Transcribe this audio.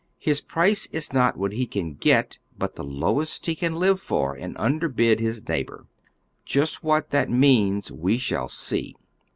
His price is not what he can get, but the lowest he can live fer and underbid his neighbor. Just what that means we shall see.